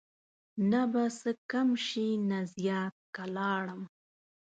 نه به څه کم شي نه زیات که لاړم